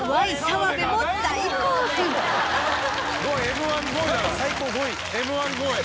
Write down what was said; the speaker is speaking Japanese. Ｍ−１５位。